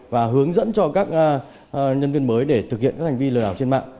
và hướng dẫn cho các nhân viên mới để thực hiện các hành vi lừa đảo trên mạng